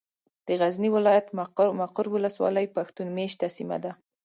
د غزني ولايت ، مقر ولسوالي پښتون مېشته سيمه ده.